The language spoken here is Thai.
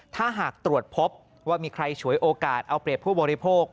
ถ้าหากตรวจพบว่ามีใครฉวยโอกาสเอาเปรียบผู้บริโภค